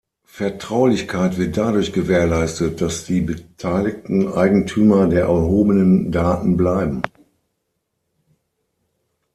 Vertraulichkeit wird dadurch gewährleistet, dass die Beteiligten Eigentümer der erhobenen Daten bleiben.